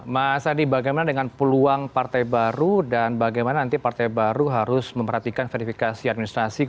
mas adi bagaimana dengan peluang partai baru dan bagaimana nanti partai baru harus memperhatikan verifikasi administrasi